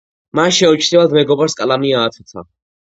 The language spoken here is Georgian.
მან შეუმჩნევლად მეგობარს კალამი ააცოცა.